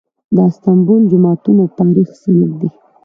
د استانبول جوماتونه د تاریخ سند دي.